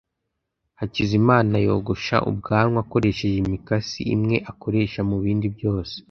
Hakizimana yogosha ubwanwa akoresheje imikasi imwe akoresha mubindi byose.